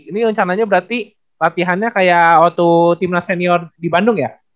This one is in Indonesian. ini rencananya berarti latihannya kayak waktu tim nas senior di bandung ya